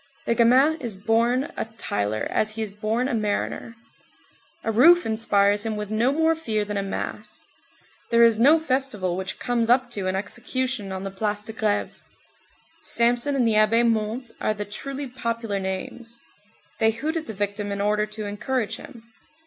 The gamin is born a tiler as he is born a mariner. A roof inspires him with no more fear than a mast. There is no festival which comes up to an execution on the Place de Grève. Samson and the Abbé Montès are the truly popular names. They hoot at the victim in order to encourage him.